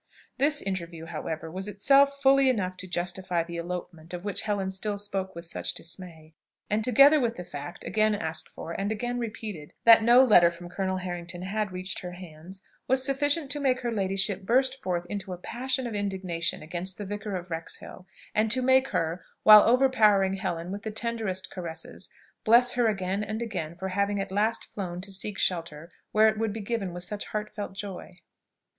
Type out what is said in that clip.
This interview, however, was itself fully enough to justify the "elopement," of which Helen still spoke with such dismay; and, together with the fact, again asked for, and again repeated, that no letter from Colonel Harrington had reached her hands, was sufficient to make her ladyship burst forth into a passion of indignation against the Vicar of Wrexhill, and to make her, while overpowering Helen with the tenderest caresses, bless her again and again for having at last flown to seek shelter where it would be given with such heartfelt joy.